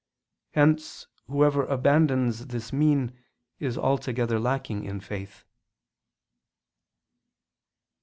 Hence whoever abandons this mean is altogether lacking in faith.